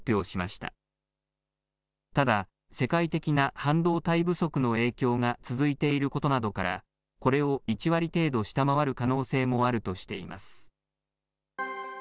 ただ、世界的な半導体不足の影響が続いていることなどから、これを１割程度下回る可能性もあるとしています。